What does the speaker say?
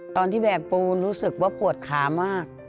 ตอนที่แบกปูนรู้สึกว่าปวดขามาก